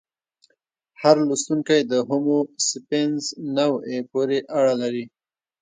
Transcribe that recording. هر لوستونکی د هومو سیپینز نوعې پورې اړه لري.